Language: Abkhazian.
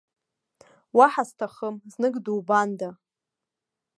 Уаҳа сҭахым, знык дубанда!